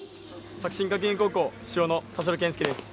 作新学院高校主将の田代健介です。